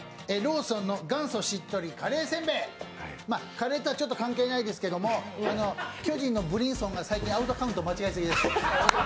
カレーとはちょっと関係ないですけど巨人のブリンソンが最近、アウトカウント間違えすぎです。